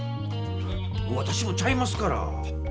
わたしもちゃいますから！